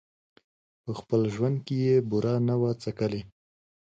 په خپل ژوند کي یې بوره نه وه څکلې